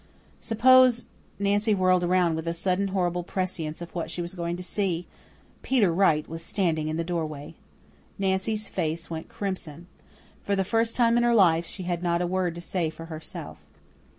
Suppose Nancy whirled around with a sudden horrible prescience of what she was going to see! Peter Wright was standing in the doorway. Nancy's face went crimson. For the first time in her life she had not a word to say for herself.